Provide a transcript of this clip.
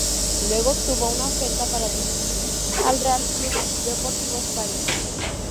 Luego tuvo una oferta para dirigir al Real Club Deportivo España.